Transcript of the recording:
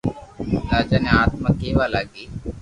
راجا ني آتما ڪيوا لاگي